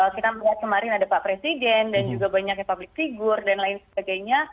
kita melihat kemarin ada pak presiden dan juga banyaknya public figure dan lain sebagainya